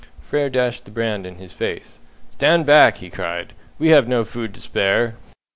Frere dashed the brand in his face. "Stand back!" he cried. "We have no food to spare!"